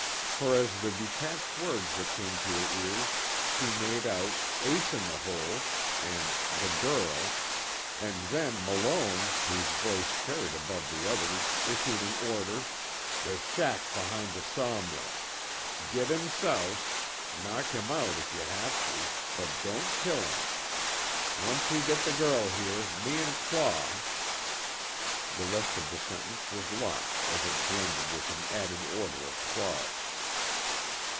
For from the detached words that came to her ears, she made out, "Ace In The Hole," and "the girl," and then Malone, whose voice carried above the others issued an order, "The shack behind the saw mill. Git him soused. Knock him out if you have to but don't kill him. Once we git the girl here me an' Claw " the rest of the sentence was lost as it blended with an added order of Claw's.